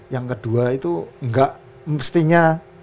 yang kedua itu enggak mestinya